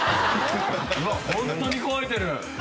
・ホントに書いてる。